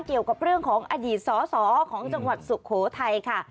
เกี่ยวกับเรื่องของอดีตสอสอของจังหวัดสุโขทัยค่ะ